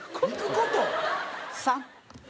３。